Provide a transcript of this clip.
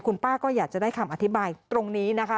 คุณป้าก็อยากจะได้คำอธิบายตรงนี้นะคะ